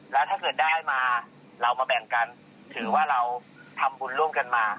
แล้วถ้าเกิดได้มาเรามาแบ่งกันถือว่าเราทำบุญร่วมกันมา